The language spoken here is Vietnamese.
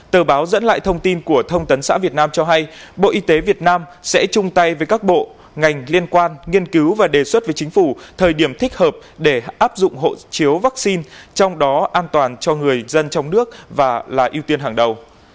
tờ báo dẫn lại thông tin của thông tấn xã việt nam cho hay bộ y tế việt nam sẽ chung tay với các bộ ngành liên quan nghiên cứu và đề xuất với chính phủ thời điểm thích hợp để áp dụng hộ chiếu vaccine trong đó an toàn cho người dân trong nước và là ưu tiên hàng đầu